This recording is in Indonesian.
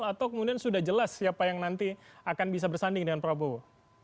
atau kemudian sudah jelas siapa yang nanti akan bisa bersanding dengan prabowo